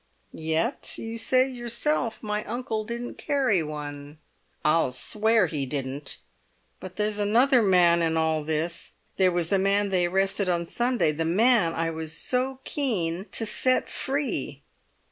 "Yet you say yourself my uncle didn't carry one?" "I'll swear he didn't; but there's another man in all this! There was the man they arrested on Saturday—the man I was so keen to set free!"